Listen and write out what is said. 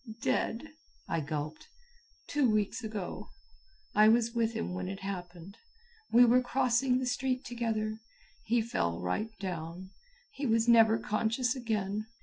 "Dead," I gulped. "Two weeks ago. I was with him when it happened. We were crossing the street together. He fell right down. He was never conscious again.